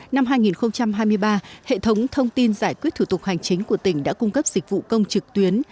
năm hai nghìn hai mươi ba hệ thống thông tin giải quyết thủ tục hành chính của tỉnh đã cung cấp dịch vụ công trực tuyến